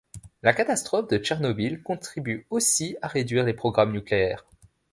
La catastrophe de Tchernobyl contribue aussi à réduire les programmes nucléaires.